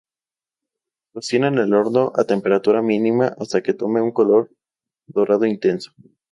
Cocina en el horno a temperatura mínima, hasta que tome un color dorado intenso.